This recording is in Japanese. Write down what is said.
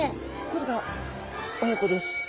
これが親子です。